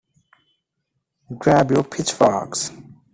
Grab your pitchforks!